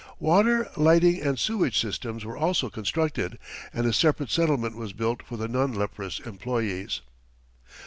Water, lighting and sewerage systems were also constructed, and a separate settlement was built for the non leprous employees.